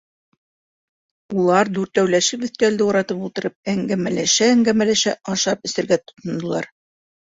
Улар, дүртәүләшеп өҫтәлде уратып ултырып, әңгәмәләшә-әңгәмәләшә, ашап-эсергә тотондолар.